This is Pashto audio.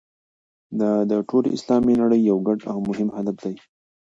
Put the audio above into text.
دا د ټولې اسلامي نړۍ یو ګډ او مهم هدف دی.